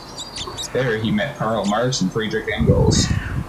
There he met Karl Marx and Friedrich Engels.